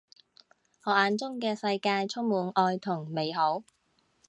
我眼中嘅世界充滿愛同美好